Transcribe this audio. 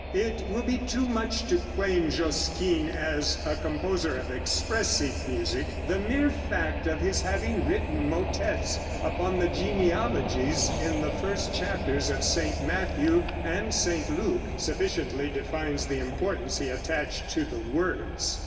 It will be too much to claim Josquin as a composer of expressive music. The mere fact of his having written motettes upon the genealogies in the first chapters of St. Matthew and St. Luke sufficiently defines the importance he attached to the words.